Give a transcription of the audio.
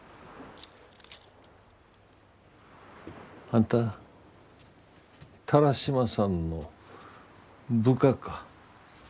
あんた田良島さんの部下か。